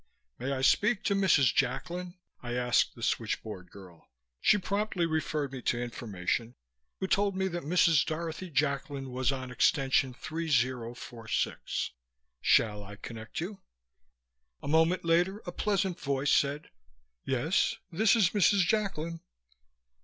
"May I speak to Mrs. Jacklin?" I asked the switch board girl. She promptly referred me to Information, who told me that Mrs. Dorothy Jacklin was on Extension 3046, shall I connect you? A moment later a pleasant voice said, "Yes? This is Mrs. Jacklin."